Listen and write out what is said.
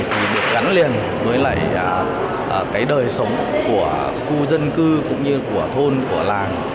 thì được gắn liền với lại cái đời sống của khu dân cư cũng như của thôn của làng